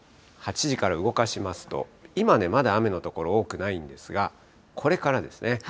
８時から動かしますと、今、まだ雨の所、多くないんですが、これからですね。